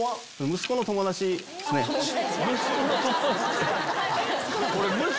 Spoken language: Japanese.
息子の友達っすね。